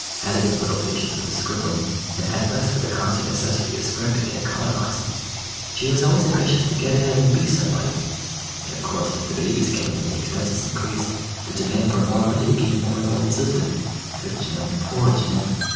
Hattie had little patience with his scribbling, and had less with the constant necessity of scrimping and economizing. She was always ambitious to get ahead and be somebody, and, of course, as the babies came and the expenses increased, the demand for more money became more and more insistent. But Jim, poor Jim!